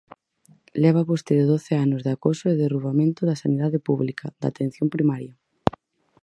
Leva vostede doce anos de acoso e derrubamento da sanidade pública, da atención primaria.